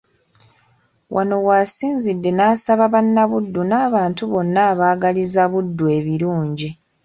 Wano w'asinzidde n'asaba Bannabuddu n'abantu bonna abaagaliza Buddu ebirungi.